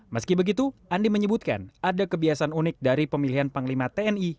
meski begitu andi menyebutkan ada kebiasaan unik dari pemilihan panglima tni